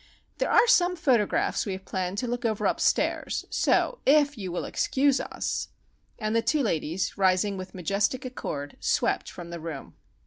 There are some photographs we have planned to look over upstairs, so if you will excuse us——" And the two ladies, rising with majestic accord, swept from the room.